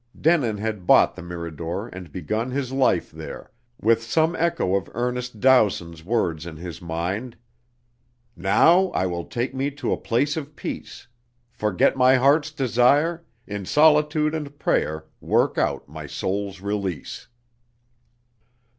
Denin had bought the Mirador and begun his life there, with some echo of Ernest Dowson's words in his mind: Now will I take me to a place of peace: Forget my heart's desire, In solitude and prayer work out my soul's release.